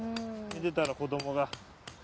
見てたら子どもが。